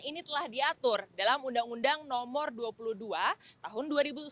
ini telah diatur dalam undang undang nomor dua puluh dua tahun dua ribu sembilan